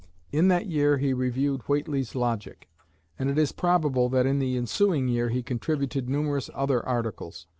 In that year he reviewed Whately's Logic; and it is probable that in the ensuing year he contributed numerous other articles.